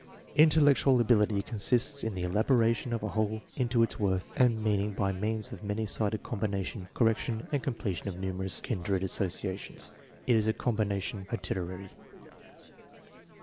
" Intellectual ability consists in the elaboration of a whole into its worth and meaning by means of many sided combination, correction, and completion of numerous kindred associations. ... It is a combination aetirify."